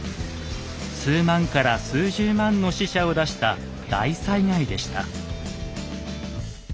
数万人から数十万の死者を出した大災害でした。